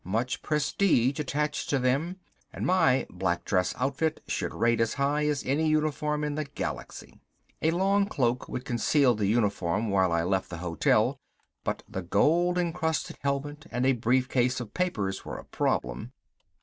Much prestige attached to them, and my black dress outfit should rate as high as any uniform in the galaxy. A long cloak would conceal the uniform while I left the hotel, but the gold encrusted helmet and a brief case of papers were a problem.